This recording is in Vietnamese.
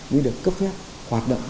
mới được cấp phép hoạt động